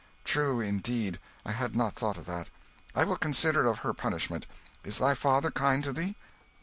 "True, indeed. I had not thought of that. I will consider of her punishment. Is thy father kind to thee?"